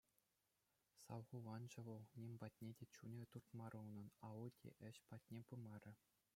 Салхуланчӗ вӑл, ним патне те чунӗ туртмарӗ унӑн, алли те ĕç патне пымарӗ.